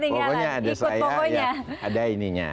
pokoknya ada saya ada ininya